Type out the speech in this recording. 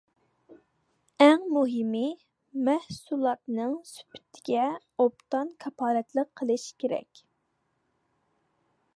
ئەڭ مۇھىمى مەھسۇلاتنىڭ سۈپىتىگە ئوبدان كاپالەتلىك قىلىش كېرەك.